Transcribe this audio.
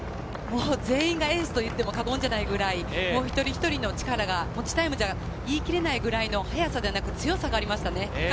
全員がエースと言っても過言じゃないくらい一人一人の力が持ちタイムじゃ言い切れない、速さじゃない強さがありました。